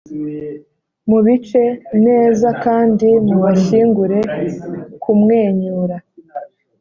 mubice neza kandi mubashyingure kumwenyura.